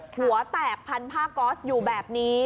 หัวแตกพันผ้าก๊อสอยู่แบบนี้